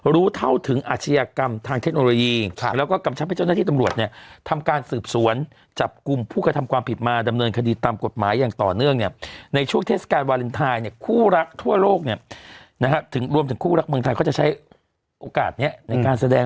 รู้เท่าถึงอาชีากรรมทางเทคโนโลยี